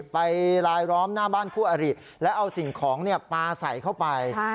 ไปลายล้อมหน้าบ้านคู่อริแล้วเอาสิ่งของปลาใส่เข้าไป